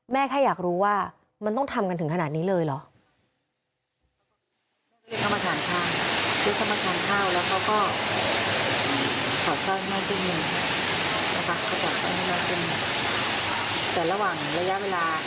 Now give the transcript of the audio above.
แค่อยากรู้ว่ามันต้องทำกันถึงขนาดนี้เลยเหรอ